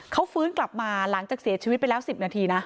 เขาฟื้นกลับมาหลังจากเสียชีวิตไปแล้ว๑๐นาทีนะ